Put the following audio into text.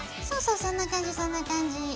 そうそうそんな感じそんな感じ。